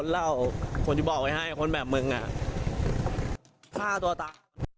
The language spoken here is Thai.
เล่าคนที่บอกไว้ให้คนแบบมึงฆ่าตัวตาย